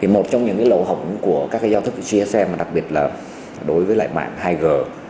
một trong những lỗ hỏng của các giao thức gsm đặc biệt là đối với mạng hai g